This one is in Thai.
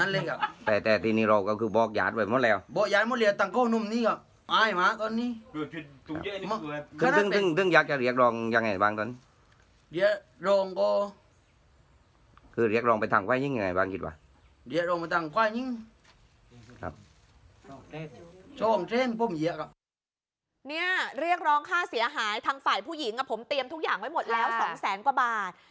เนี่ยเรียกร้องค่าเสียหายทางฝ่ายผู้หญิงผมเตรียมทุกอย่างไว้หมดแล้ว๒แสนกว่าบาท